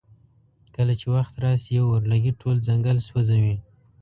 کله چې وخت راشي یو اورلګیت ټول ځنګل سوځوي.